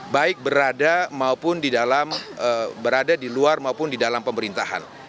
baik berada di luar maupun di dalam pemerintahan